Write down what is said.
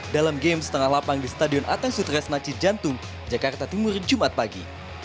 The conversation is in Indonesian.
dalam game setengah lapang di stadion atang sutras naci jantung jakarta timur jumat pagi